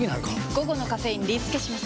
午後のカフェインリスケします！